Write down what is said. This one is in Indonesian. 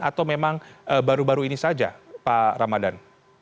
atau memang baru baru ini saja pak ramadan